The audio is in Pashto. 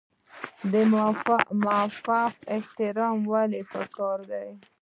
د مافوق احترام ولې پکار دی؟